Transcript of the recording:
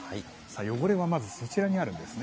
汚れはまず、そちらにあるんですね。